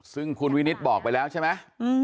ซึ่งคุณวินิตบอกไปแล้วใช่ไหม